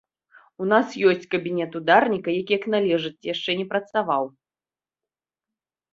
У нас ёсць кабінет ударніка, які як належыць яшчэ не працаваў.